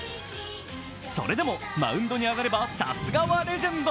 それでもマウンドに上がればさすがはレジェンド。